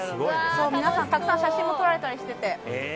皆さん、たくさん写真も撮られたりしてて。